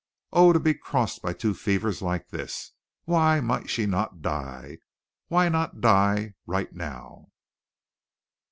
Oh, to be crossed by two fevers like this! Why might she not die? Why not die, right now?